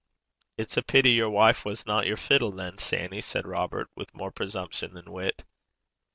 'It's a pity yer wife wasna yer fiddle, than, Sanny,' said Robert, with more presumption than wit.